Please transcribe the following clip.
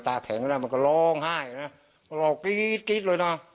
ตากแขกก็ได้มันก็ร้องไห้นะร้องกี๊ดกี๊ดเลยนะ